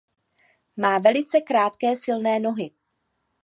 Má velice krátké silné nohy.